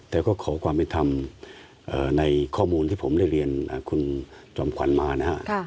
แต่ก็ขอความเป็นธรรมในข้อมูลที่ผมได้เรียนคุณจอมขวัญมานะฮะ